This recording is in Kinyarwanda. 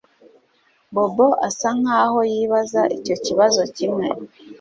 Bobo asa nkaho yibaza icyo kibazo kimwe